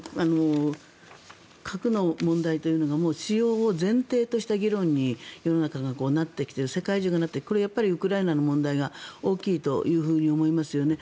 核の問題というのが使用を前提とした議論に世の中がなってきていて世界中がなってきていてこれはウクライナの問題が大きいと思いますよね。